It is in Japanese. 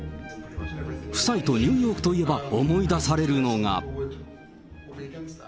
夫妻とニューヨークといえば、思い出されるのが。